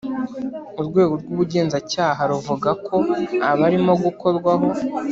Urwego rw’Ubugenzacyaha ruvuga ko abarimo gukorwaho